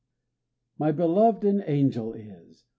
_ My beloved an angel is!